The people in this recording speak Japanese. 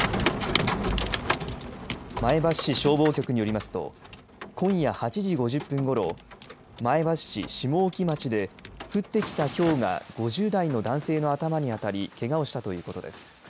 前橋市消防局によりますと今夜８時５０分ごろ前橋市下沖町で降ってきたひょうが５０代の男性の頭に当たりけがをしたということです。